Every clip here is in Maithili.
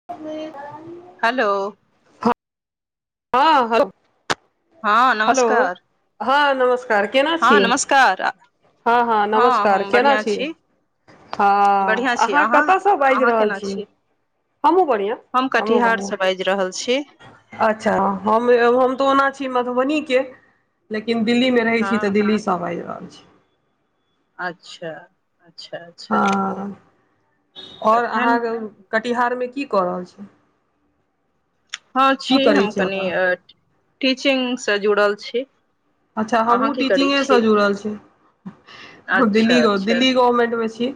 [unintelligible] हेलो हँ हँ हँ नमस्कार हँ नमस्कार केना छियै कर हँ हँ नमस्कार केना छियै हँ बढ़िआँ छी अहाँ कतयसँ बाज अहाँ रहल केना छी हमहू बढ़िआ हम हमू कटिहारसँ बाजि रहल छी बढ़िआ अच्छा हम हम त ओना छी मधुबनी के लेकिन दिल्ली मे रहै छी तऽ हँ दिल्ली सब आज रहल छी अच्छा अच्छा अच्छा हं ओर तखन अहाँके कटिहारमे की कऽ रहल छी हं की छी करै हम कनि ओतऽ टिचिंग स जुड़ल छी अच्छा अहाँ हमहु की करै टीचिंगेसँ छी जुड़ल छी दिल्ली अच्छा अच्छा दिल्ली गवर्नमेंटमे छी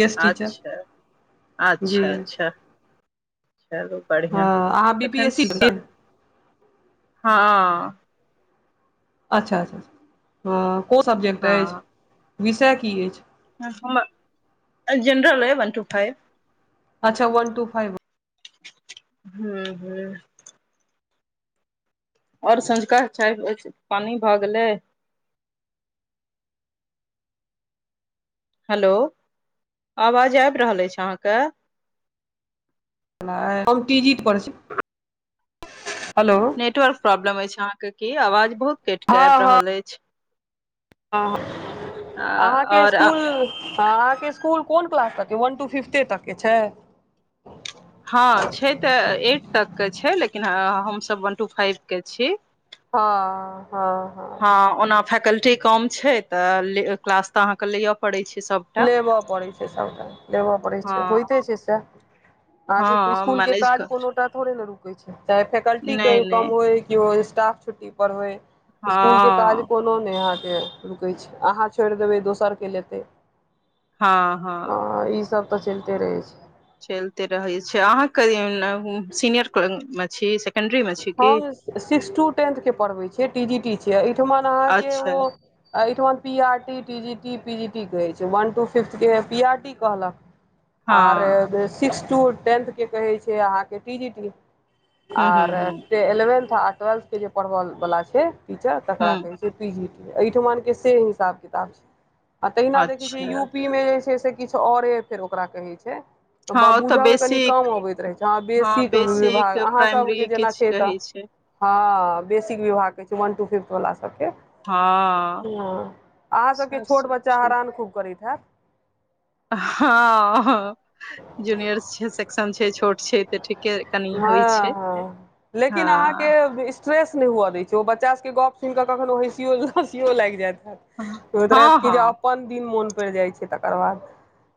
गेस्ट टीचर अच्छा अच्छा जी अच्छा चलु बढ़िआ हँ अहाँ बी पी तखन एस सी स हँ अच्छा अच्छा क सब्जेक्ट एछ हँ विषय की एछ जनरल वन टू फाइव अच्छा वन टू फाइव हूँ हूँ और संंझका चाय पानी भए गेलै हेलो आवाज आब रहल एछ अहाँके हम पी जै छी हेलो [unintelligible] नेटवर्क प्रॉब्लम अछि अहाँके कि आवाज बहुत कटिक हँ आब हँ रहल अछि अहाँके आओर इस्कुल हा अहाँ के इसकुल कोन क्लास तक के वन टू फिफ्थे तक के छै हँ छै तऽ एट तक के छै लेकिन हमसभ वन टू फाइव के छी हँ हँ हँ हँ ओना फैकल्टी कम छै तऽ क्लास तऽ अहाँके लेयए पड़ै छै सब लेब पड़ै छै सावटा लेब पड़ै हँ छै होयते छै से अहाँके हँ इसकुल के मैनेज काज कर कोनो टा थोड़े ने रुकै छै चाहे फैकल्टी नहि कही कम नहि होइ केओ स्टाफ छुट्टी पर होइ इसकुलके काज हँ कोनो नहि अहाँके रुकैत छै अहाँ छोड़ि देबै दोसरके लेतै हँ हँ ईसभ तऽ चलिते रहै छै चलिते रहैत छै अहाँ करीयौने सीनियर मे छी सेकेंडरी मे छी की हम सिक्सथ टू टेंथ के पढ़बैत छियै टी जी टी छै एहिठमन अहाँके अच्छा ओ एहिठमन P RT T G T P G T कहे छै वन टू फिफ्थ के पी आर टी कहलक आर हँ सिक्स टू टेन्थ के कहै छै अहाँके टी जी टी हू हू हू एलेंवेंथ आ ट्वेल्थ के जे पढ़ब वाला छै टीचर तकरा हूँ कह प एहिठुमन के से हिसाब किताब छै आ तहिना देखै छै अच्छा यू पी मे जे छै से किछु औरे फेर ओकरा कहै छै हँ ओतऽ बुझयमे कनि बेसिक कम अबैत रहैत छै अह हँ बेसीके बेसिक विभाग अहाँसभ प्राइमरी जेना किछ छैत कहै छै हां वेसी छै वन टू फिफ्थ वाला सबके हँ ह अहाँ सबके सएह छोट सब बच्चा छै हरान खूब करैत हैत हँ जूनियर छै सेक्शन छै छोट छै तऽ ठीके कनि होइ हँ छै हँ लेकिन हँ अहाँके स्ट्रेस नै हुअ दै छै ओ बच्चा सबके गप सुनि कऽ कखनों हँसियो हँसियो लागि जाइत हैत होइत रहैत हँ कि जे हँ अपन दिन मोन पड़ि जाइ छै तकर बाद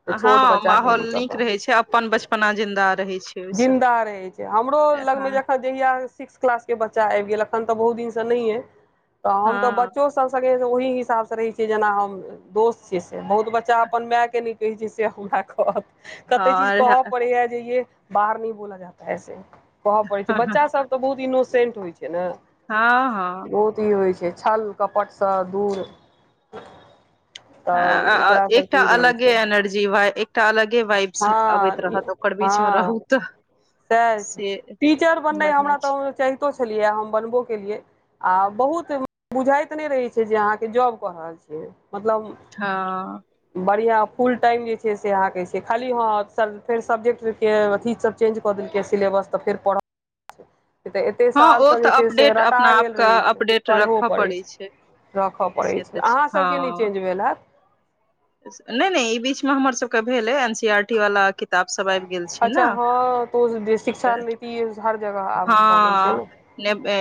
जे हँ छोट बच्चाके माहौल दिक्कत नीक रहै छै अपन बचपना जिंदा रहे छै ओहिसँ जिन्दा रहैत छै हमरो हँ लगमे हँ जखन जहिया सिक्स क्लास के बच्चा आइब गेल अखन त बहुत दिन से नहिए त हम त हँ बच्चो से सब संगे ओहि हिसाब से रहै छियै जेना हम दोस्त छैय से बहुत बच्चा अपन मायके नहि कहैत छै से हमरा कहत कते चीज कहऽ पड़ै य जे ये बाहर नी बोला जाता है ऐसे कहऽ पड़ै छै बच्चा सब तऽ बहुत इनोसेंट होइ छै ने हँ हँ अथी होइ छै छल कपटसँ दूर तऽ ओकरा एकटा सबके ई रहै अलगे छै एनर्जी एकटा अलगे वइब्स अबैत हँ रहत ओकर बीच मे हँ रहु सएह छै टीचर बननाइ बढ़िया हमरा छै तऽ चाहितो छलियै हम बनबो केलियै आ बहुत बुझाइत नहि रहैत छै जे अहाँके जॉब कऽ रहल छियै मतलब हँ बढ़िआँ फुल टाइम जे छै से अहाँकेँ से खाली हँ फेर सब्जेक्टके अथी सब चेंज कऽ देलकै सिलेबस तऽ फेर पढ़ कि तऽ एतेक हँ ओ सालसँ तऽ जे छै से अपडेट रटा अपना गेल आपके रहै छै अपडेट करबो रखऽ पड़ैत पड़ै छै रखय से पड़ैत छै तऽ अहाँसभके नहि हँ चेंज भेल हैत नहि नहि ई बीच मे हमर सबके भेलै अच्छा हँ तो जे शिक्षा तऽ नीति हर जगह आब भ गेल छै हँ ने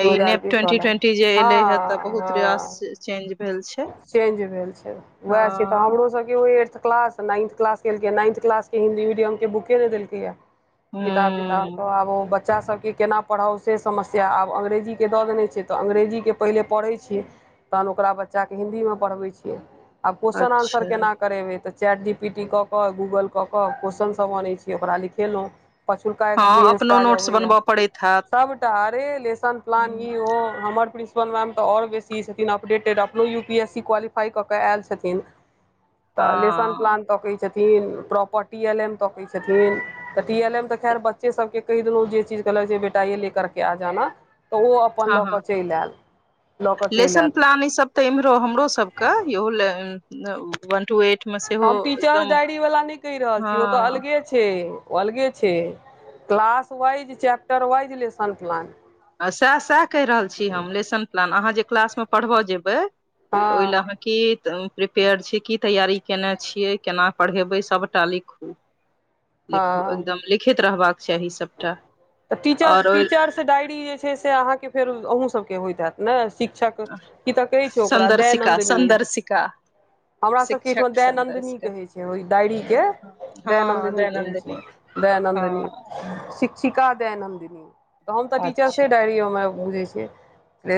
दू ई हजार नेप बीस ट्वेंटी वला में ट्वेंटी जे हँ एले हे तऽ बहुत हँ रास चेंज भेल छैय चेंज भेल छै उहे छै तऽ हमरो सबके किओ एत्थ क्लास नाइन्थ क्लस केलकै नाइन्थ क्लास के हिन्दी मीडियम के बुके नहि देलकैए किताब तिताब ह आब ओ बच् बच्चा सबके केना पढ़ाउ से समस्या आब अंग्रेजीके दऽ देने छै तऽ अङ्ंग्रेजीके पहिले पढ़ै छियै तहन ओकरा बच्चाके हिन्दीमे पढ़बैत छियै आब क्वेेश्चन आन्सर अच्छा केना करेबै त चैट डी पी टी कऽ कऽ गूगल कऽ कऽ क्वेशचन सब अनै छिय ओकरा लिखेलहुँ पछुलका हँ एक्सपीरियंस अपनो काज नोट्स अबै या बनबऽ पड़ैत हैत सब त हरे लेसन हूँ प्लान ई हो हमर प्रिंसिपल मैम तऽ ओर बेसी छथिन अपडेटेड अपन U P S C qualify क क आयल छथिन त लन हँ प्लान छथिन प्रॉपर्टी एल एन क कै छथिन तऽ टी एल ए मे त खैर बच्चे सबके कहि देलहुँ जे चीज कहलक जे बेटा ये ले करके आ जाना तऽ ओ अपन हँ लऽ हँ कऽ चलि आयल लऽ कऽ चलि एल मरो हमरो सब के इहो वन टू एट मे सेहो हम टीचर्स एकदम डायरी वला नै कहि रहल छी ओ तऽ हँ अलगे छै ओ अलगे छय class wise chapter wise lesson plan सएह सएह कहि रहल छी हम लेसन प्लान आहाँ जे क्लासमे पढ़बय जेबै हँ त ओहि ले आहाँ की प्रिपेयर छी की तैयारी केने छियै केना पढ़ेबै सबटा लिख हँ लिखू एकदम लिखित रहबाक चाही सब तऽ टी टीचर्स डायरी जे छै से अहाँके फेर अहू सबके होइत हत न शिक्षक की तऽ कहै छौ ओकरा संदर्शिका दयानन्दनी संदर्शिका हमरा सभके एहिठमा शिक्षक दयानन्दिन संदर्शिका कहै छै ओहि डायरीके हँ दयानन्दिन कहै दैनन्दिनी छय दयनन्दनी हँ शिक्षिका दैन हमदिन तऽ हम तऽ टीचर्से अच्छा डायरी ओहिमे बुझैत छियै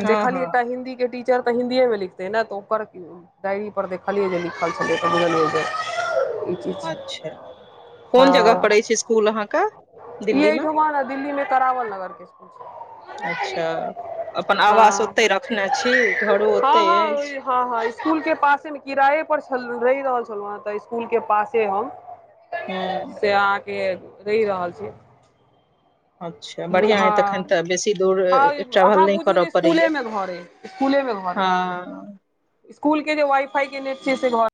हँ देखली हँ एकटा हिंन्दी के टीचर त हिन्दीए मे लिख ने तऽ ऊपर डायरी पर देखलियै जे लिखल छल तऽ बुझलियै ज अच्छा कोन जगह पड़ै छै इसकुल अहाँके इ दिल्ली मे एहिठमा ने दिल्लीमे करावल नगरके अच्छा अपन आवास ओते रखने छी घरो ओत अछि हं हं स्कूल के पासे मे किराये पर रहि रहल छलौ ह ते स्कूल के पासे हम हूँ से अहाँके रही रहल छी अच्छा हँ बढ़िआँ अइ तखन तऽ बेसी दूर हँ ट्रेवल अहाँ नहि बुझू करय जे इसकुले पड़ैया मे घर स्कूले मे घुरे हँ स्कूल के जे वाईफाई के नेट छै घु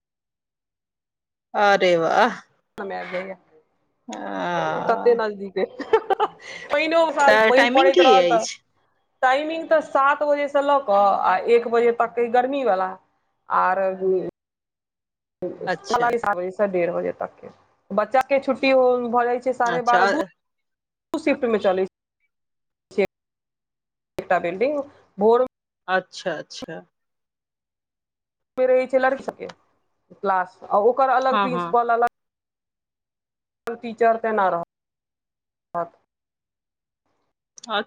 अरे बाह [unintelligible] हं कते नजदीक पानो साल तऽ पान टाइमिंग पड़ैत की रहल तऽ अछि टाइमिंग त सात बजेसँ लऽ कऽ आ एक बजे तके ई गर्मी वला ओर भी अच्छा सात बजे से डेढ़ बजे तक के बच्चा के छुट्टी भऽ जाइ छै साढ़े बारह अच्छा दू दू सिफ्ट में चलैत छै टा बिल्डिंग बोर अच्छा अच्छा रहै छै लड़क के क्लास ओकर अलग हँ हँ प्रिंसिपल अलग टीचर तेना रह अ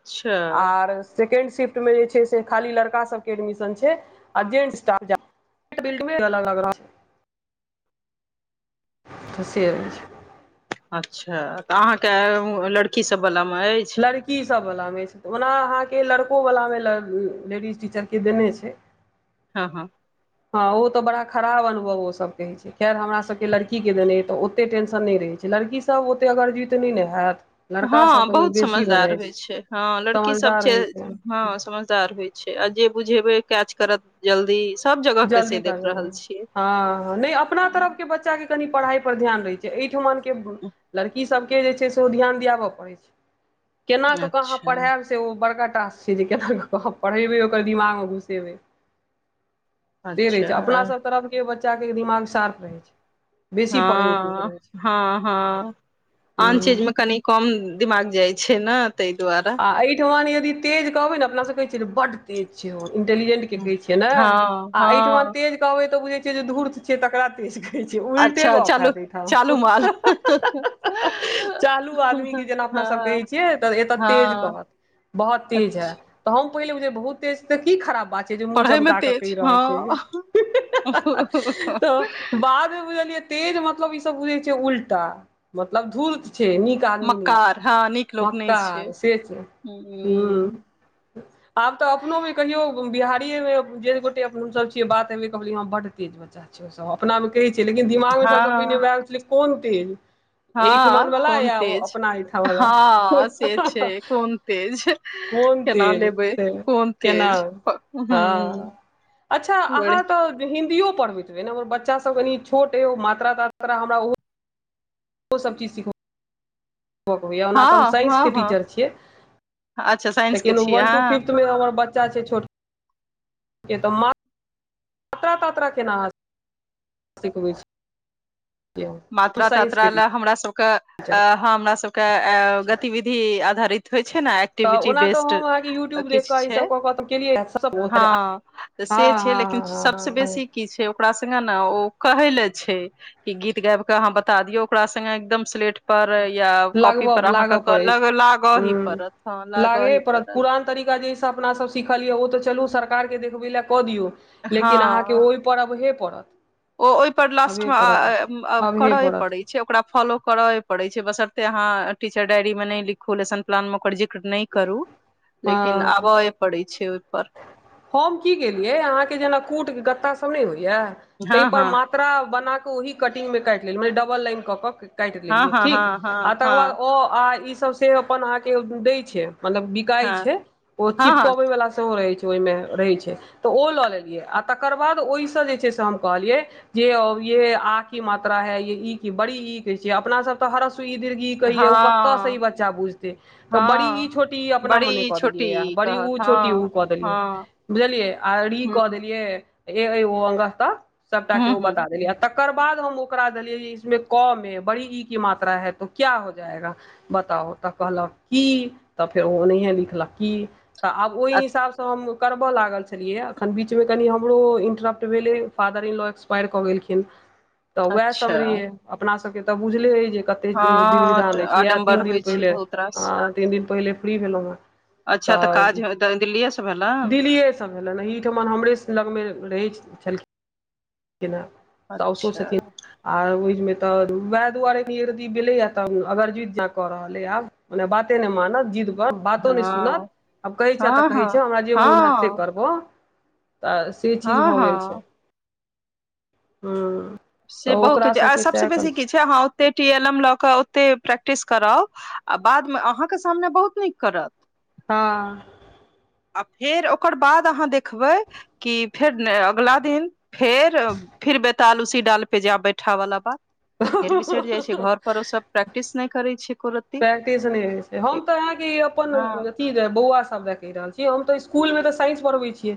आर सेकेंड शिफ्ट में जे छै से खाली लड़का सब के एडमिशन छै आ जेंट्स स्टा [unintelligible] तस छै अच्छा तऽ अहाँके लड़की सब वलामे अछि लड़की सब वलामे ओना अहाँके लड़को वलामे लेडीज टीचरके देने छै हँ हँ हँ ओ तऽ बड़ा खराब अनुभव ओ सब कहै छै खैर हमरासभके लड़कीकेँ देनेइ तऽ ओते टेंशन नहि रहैत छै लड़कीसभ ओतेक अगर जुत नहि ने हैत लड़का सब हँ कनि बहुत बेसी भऽ समझदार जाइ होइ छै हँ लड़की सब छै समझदार होइ हँ समझ समझदार होइ छै आ जे बुझेबै केच करत जल्दी सब जगह के से जल्दी देख कर रहल छियै हँ नई अपना तरफ अ- के बच्चा के कनि पढ़ाई पर ध्यान दे छै एहिठमन के लड़की सब केना कऽ कऽ अहाँ अच्छा पढ़ायब ओ बड़का टासक छै जे केना क पढ़ेबै ओकर दिमाग मे घुसेबै से रहै अच्छा छै अपनासभ तरफके बच्चाके दिमाग शार्प होइ छै बेसी पढ़ैमे तेज हँ रहैत छै हँ हँ आन चीज हँ मे कनी कम दिमाग जाइ छै ने तई दुआरे आ एहिठमन यदि तेज कहबै ने अपनासब कहैत छियै बड तेज छैय इन्टेलिजेंट छ हँ नेठ हँ तेज कहबे त बुझे छ जे धूत छै तकरा तेज उल्टे अच्छा गप चालू हैत ऐही चालू माल ठाम [inaudible] चालू आदमी के जेना अपना सब कहै हँ छियै तऽ एतऽ तेज हँ कहत बहुत तेज है अच्छा तऽ हम पहिले बुझयै बहुत तेज त की खराब बात छैय जे मुँह पढ़यमे चमका के कहि तेज रहल छैय। हँ त बादमे बुझलियै तेज मतलब ई सब बुझै छैय उल्टा मतलब धूर्त छैय नीक आदमी नहि छैय मक्कार हँ नीक लोक नहि छै मक्कार से छैय। हूँ आब तऽ अपनो मे कहियो बिहारीये मे जे गोटे अपनो सब छिय बात हेबे कहलै हम बड तेज बच्चा छै ओ सभ अपनामे कहै छै लेकिन दिमाग मे सभ सँ पहिने हँ आयल छलै कोन तेज हँ एहिठमनवला कोन या तेज अपना एहिठामवला हँ से छै कोन तेज कोन केना तेज लेबै से कोन केना तेज हं हँ अच्छा अहाँक हिन्दीयो पढ़बैत रहै न हमर बच्चासब कनि छोट ए ओ मात्रा तात्रा हमरा ओ ओ सब चीज सीखू ओ हमी [unintelligible] लिन हँ हँ हँ अच्छा साइंस के छियै टू अहाँ फिफ्थ हमरच [inaudible] छै छोट तऽ [inaudible] त त केना [inaudible] देखबै छै मात्रा तात्रा साइंसके लए हमरा सबके अ टीचर हमरा सबके अ छियै, गतिविधि आधारित होय छै ने तऽ एक्टिविटी ओना तऽ बेस्ड हम अहाँके यूट्यूब देख किछु कऽ छै ईसभ कऽ कऽ तऽ हँ केलियै तऽ हँ से छै हँ लेकिन हँ हँ सबस हँ बेसी की छै ओकरा संगे न ओ कहै ले छै कि गीत गाबि कऽ ह बता दियौ ओकरा संगे एकदम सलेट पर या कॉपी लगबऽ पर लागऽ अहाँके पड़ै छै लागऽ ही पड़त ह लागऽ ही पड़त [inaudible] हँ परहब हे पड़त ओ ओहि पर लास्ट अबहे आ पड़त आ म अबहे करए पड़त पड़ैत ओकरा फॉलो करैए पड़ै छै बसरते अहाँ टीचर डायरी मे नहि लिखु लेसन प्लान मे ओकर जे नहि करू लेकिन हँ आबए पड़ै छै हम की केलियै अहाँके जेना कूट गत्ता सभ नहि होइया हँ ताहिपर हँ मात मात्रा बना कऽ ओहि कटिंगमे काटि लेली मने डबल लाइन कऽ कऽ काटि हँ लेलियै हँ ठीक हँ हँ आ तकर बाद हँ अ आ ई सब से अपन अहाँ के दय छै मतलब काय हँ छै ओ हँ चिपकबै वाला सब रह छै ओहि रहै छै तऽ ओ लऽ लेलियै आ तकर बाद ओहिसँ जे छै से हम कहलियै जे अबियै आ ही मात्रा है ये ई की बड़ी ई के छै अपना सब तऽ हरस दिर्घी हँ कहिय ओ कतऽ से ई हँ बच्चा बुझतै तऽ बड़ी हँ ई छोटी इ अपना मने बड़ी कऽ देलियै या छोटी बड़ी ऊ कहत छोट हँ उ क देने हँ बुझलियै ऋकऽ हूँ देलियै सबटा के हूँ ओ हूँ बता देलियै त तकर बाद हम ओकरा देलियै इसमे क मे बड़ी ई की मात्रा है तो क्या हो जाएगा बताउ तऽ कहलक की तऽ फेर ओनेहे लिखलक की तऽ आब ओहि अ हिसाब तऽ हम करबऽ लागल छलियै एखन बीच में कनि हमरो इन्टरप्ट भेलै फादर इन लॉ एक्सपायर कऽ गेलखि तऽ उएह अच्छा सम रहि अपना सबके तऽ बुझले है जे कतै ते दिन हँ विधान दै छी इएह आडम्बर तीन दिन होइ छै पहिले बहुत रास आ तीन दिन पहिले फ्री भेलहुँ हे अच्छा तऽ काज दिल दिल्ली सँ दिल्लीए सभ भेल एहिठमा हमरे लगमे रह छलखिन केना साउसो अच्छा छथिन आ ओहि में तऽ वहै दुआरे यदि भेलेए तऽ अगर जुत कऽ रहले आब ओने बाते नै मानत जींद बातो नहि सुनत हँ आब कहै छ तऽ हँ कहै हँ छ हमरा जे मन हैत से हँ करबो तऽ से चीज हँ भऽ गेल हँ छै हं से बहुत होइत छै आ स भस बेसी की छै अहाँ ओ ओते टी एल एम लऽ के ओते प्रैक्टिस कराउ आ बाद में अहाँ के सामने बहुत नीक करत हाँ आ फेर ओकर बाद आहाँ देखबै की फेर अगला दीन फेर फिर बैताल उसी डाल पे जा बैठा वला बात फेर हँ बिसरि जाइ छै घर पर सब प्रैक्टिस नै करै छै एको रती प्रैक्टिस नै होई छै हम तऽ अहा के अपन हँ बौआ सब कहि रहल छीयै हम तऽ स्कुल मे तऽ साइंस पढ़बै छियै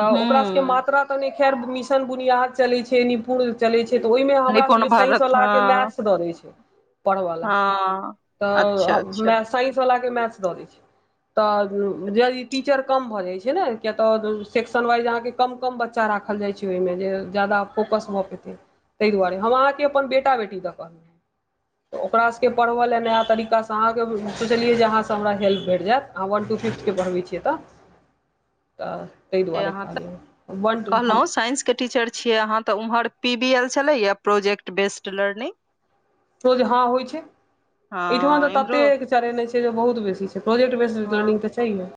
तऽ ओकरा सब के हूँ मात्रा खन खैर मिशन बुनियाद चलै छै निपुर चलै छै तऽ ओहि में हमरा निपुण सबके साइंस भारत वाला हँ के मैथ्स दऽ दै छै पढ़बै लेल हँ अच्छा अच्छा तऽ साइंस वाला के मैथ दऽ दै छै तऽ अच्छा यदि टि टीचर कम भऽ जाइ छै ने किए तऽ सेक्शन वाइज अहाँ के कम कम बच्चा राखल जाइ छय ओहि में जे जादा फोकस भऽ पेतै तहि दुआरे हम अहाँ के अपन बेटा बेटी तऽ कहलहुँ ओकरा सब के पढ़ब ल लऽ ओहा तरीका से अहाँ के सोचलियै जे अहाँ सँ हमरा हेल्प भैट जात अहाँ वन टू फिफ्थ के पढ़बै छियै तऽ तऽ तहि दुआरे अहाँ तऽ कहलौ हैं वन टू कहलहुँ साइंस के टीचर छियै हम तऽ उम्हर पी वी एल छलैया प्रोजेक्ट बेस्ड लर्निंग होज जे हँ होइ छै एहिठाम तऽ हँ इम्हरो तते एक चर नहि छै जे बहुत बेसी छै प्रोजेक्ट बेस्ट हँ लर्निंग तऽ तहिए